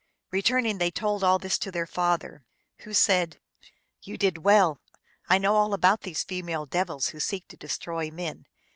Returning, they told all this to their father, who said, " You did well. I know all about these female devils who seek to destroy men.